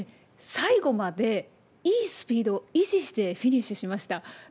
最後までいいスピードを維持してフィニッシュしました。